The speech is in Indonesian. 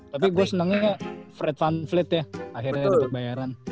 tapi gua senengnya fred van vliet ya akhirnya dapet bayaran